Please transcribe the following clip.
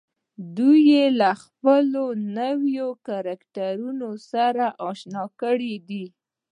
دوی يې له خپلو نويو کرکټرونو سره اشنا کړي دي.